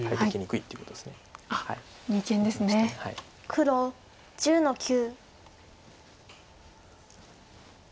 黒１０の九。